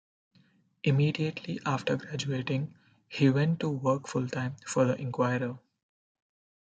Immediately after graduating, he went to work full-time for the "Inquirer".